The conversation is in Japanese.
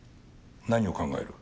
何を考える？